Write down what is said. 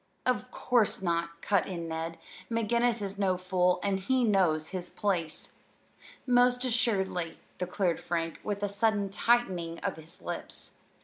"Of course not," cut in Ned. "McGinnis is no fool, and he knows his place." "Most assuredly," declared Frank, with a sudden tightening of his lips.